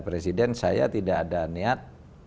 presiden saya tidak ada niat